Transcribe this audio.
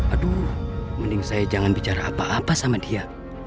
aduh mending saya jangan bicara apa apa sama dia